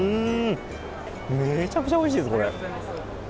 めちゃめちゃおいしいです、これ。